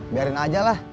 biarin aja lah